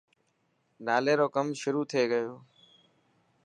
نالي رو ڪم شروع ٿي گيو.